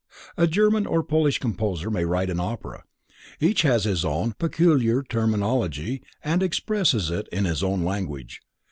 A German or a Polish composer may write an opera. Each has his own peculiar terminology and expresses it in his own language.